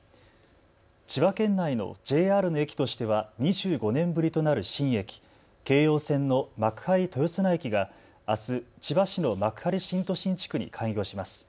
千葉県内のＪＲの駅としては２５年ぶりとなる新駅、京葉線の幕張豊砂駅があす、千葉市の幕張新都心地区に開業します。